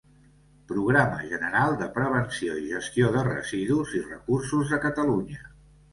Programa general de prevenció i gestió de residus i recursos de Catalunya.